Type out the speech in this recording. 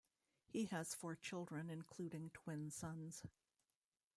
He has four children including twin sons.